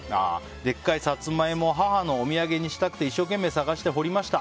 でっかいサツマイモを母のお土産にしたくて一生懸命探して掘りました。